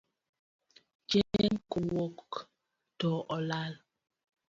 Chieng' kowuok to olal.